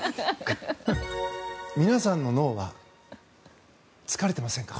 皆さんの脳は疲れてませんか？